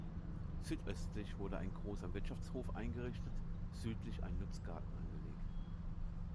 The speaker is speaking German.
Südöstlich wurde ein großer Wirtschaftshof eingerichtet, südlich ein Nutzgarten angelegt.